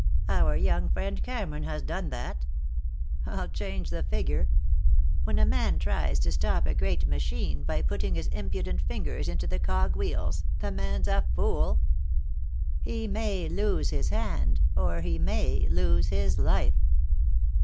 Our young friend Cameron has done that. I'll change the figure. When a man tries to stop a great machine by putting his impudent fingers into the cog wheels, the man's a fool. He may lose his hand, or he may lose his life."